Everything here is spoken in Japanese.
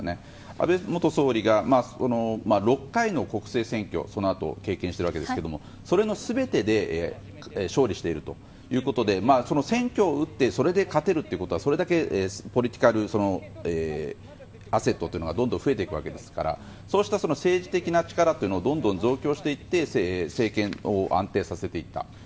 安倍元総理がそのあと６回の国政選挙を経験しているわけですがそれの全てで勝利しているということで選挙を打って、勝てるというのはそれだけポリティカルアセッドがどんどん増えていくわけですからそうした政治的な力というのをどんどん増強していって政権を安定させていった。